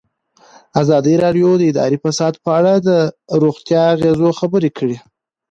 ازادي راډیو د اداري فساد په اړه د روغتیایي اغېزو خبره کړې.